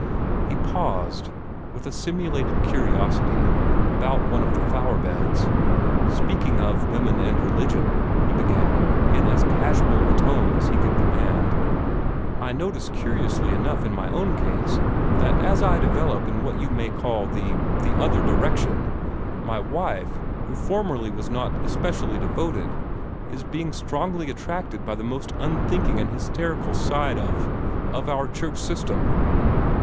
He paused, with a simulated curiosity, about one of the flower beds. "Speaking of women and religion" he began, in as casual a tone as he could command "I notice curiously enough in my own case, that as I develop in what you may call the the other direction, my wife, who formerly was not especially devote, is being strongly attracted by the most unthinking and hysterical side of of our church system."